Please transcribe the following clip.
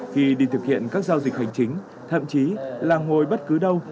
khi đi thực hiện các giao dịch hành chính thậm chí là ngồi bất cứ đâu